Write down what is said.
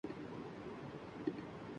ملک میں اسمبلیاں ہوں یا نہ ہوں۔